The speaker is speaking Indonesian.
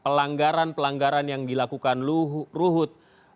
pelanggaran pelanggaran yang dilakukan ruhut